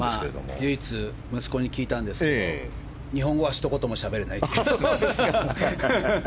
唯一、息子に聞いたんですが日本語はひと言もしゃべれないという。